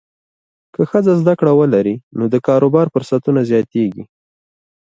که ښځه زده کړه ولري، نو د کاروبار فرصتونه زیاتېږي.